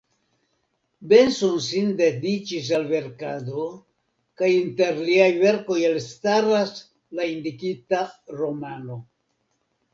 Benson sin dediĉis al verkado; kaj inter liaj verkoj elstaras la indikita romano.